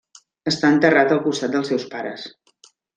Està enterrat al costat dels seus pares.